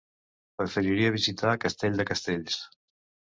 Preferiria visitar Castell de Castells.